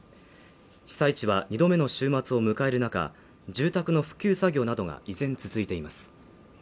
被災地は２度目の週末を迎える中、住宅の復旧作業などが依然続いています。